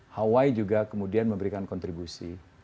hawaii juga kemudian memberikan kontribusi